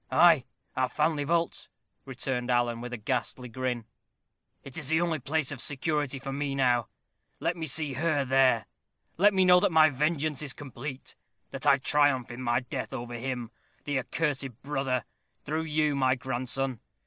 "Ay, our family vault," returned Alan, with a ghastly grin "it is the only place of security for me now. Let me see her there. Let me know that my vengeance is complete, that I triumph in my death over him, the accursed brother, through you, my grandson.